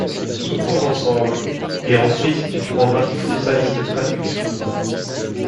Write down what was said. Soupons ensemble, et ensuite tu prendras tous les aristocrates que tu voudras.